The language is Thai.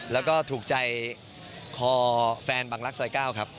แล้วก็ถูกใจคอแฟนบางรักซอยก้าวครับ